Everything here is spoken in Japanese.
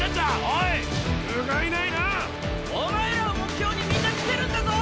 お前らを目標にみんな来てるんだぞ！